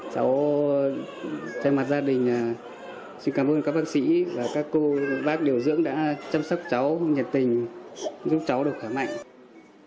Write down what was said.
cháu thay mặt gia đình xin cảm ơn các bác sĩ và các cô bác điều dưỡng đã chăm sóc cháu nhiệt tình giúp cháu được khỏe mạnh